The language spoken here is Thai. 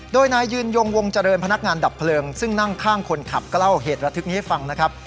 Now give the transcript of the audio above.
โดยนายยืนยงวงเจริญพนักงานดับเพลิงซึ่งนั่งข้างคนขับก็เล่าเหตุระทึกนี้ให้ฟังนะครับ